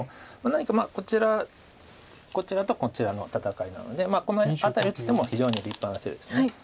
何かこちらとこちらの戦いなのでこの辺り打つ手も非常に立派な手です。